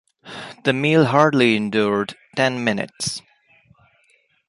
The meal hardly endured ten minutes.